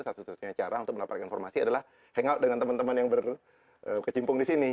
satu satunya cara untuk mendapatkan informasi adalah hangout dengan teman teman yang berkecimpung di sini